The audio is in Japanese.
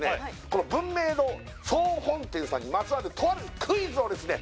この文明堂総本店さんにまつわるとあるクイズをですね